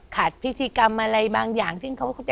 พิธีกรรมอะไรบางอย่างที่เขาก็จะ